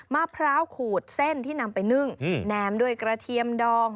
มะพร้าวขูดเส้นที่นำไปนึ่งแนมด้วยกระเทียมดอง